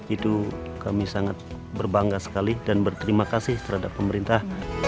itu kami sangat berbangga sekali dan berterima kasih terhadap pemerintah